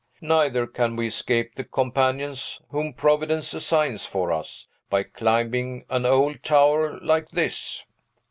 Neither can we escape the companions whom Providence assigns for us, by climbing an old tower like this."